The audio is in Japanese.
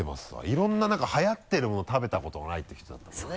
いろんな何かはやってるもの食べたことがないっていう人だったもんね。